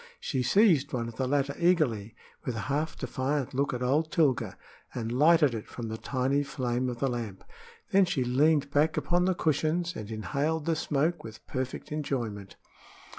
She seized one of the latter eagerly, with a half defiant look at old Tilga, and lighted it from the tiny flame of the lamp. Then she leaned back upon the cushions and inhaled the smoke with perfect enjoyment.